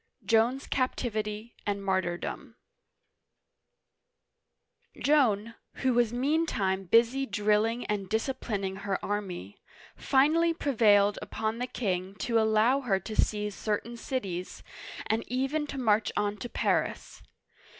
JOAN'S CAPTIVITY AND MARTYRDOM JOAN, who was meantime busy drilling and disciplin ing her army, finally prevailed upon the king to allow her to seize certain cities, and even to march on to Paris.